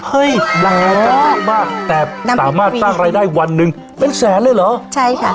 แรงมากมากแต่สามารถสร้างรายได้วันหนึ่งเป็นแสนเลยเหรอใช่ค่ะ